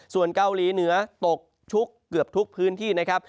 ส่วนเกาหลีเหนือตกชุกเกือบทุกพื้นที่นะครับ